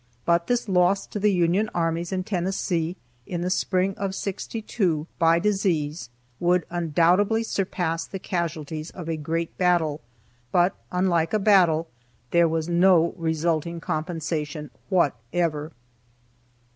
But this loss to the Union armies in Tennessee in the spring of '62 by disease would undoubtedly surpass the casualties of a great battle, but, unlike a battle, there was no resulting compensation whatever.